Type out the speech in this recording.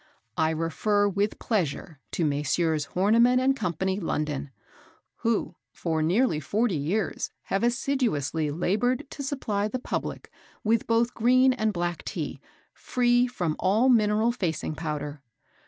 I refer with pleasure to Messrs. Horniman and Co., London, who for nearly forty years have assiduously laboured to supply the public with both green and black Tea, free from all mineral facing powder.